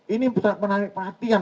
ini sangat menarik perhatian